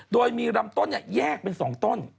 โดยมีลำต้นแยกเป็น๒ต้น